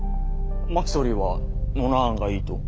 「真木総理はノナ案がいいと？」。